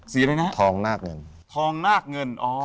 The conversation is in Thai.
สีอะไรนะฮะทองนากเงิน